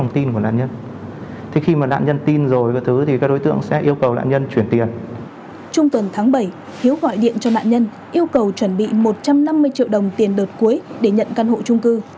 trung tuần tháng bảy hiếu gọi điện cho nạn nhân yêu cầu chuẩn bị một trăm năm mươi triệu đồng tiền đợt cuối để nhận căn hộ trung cư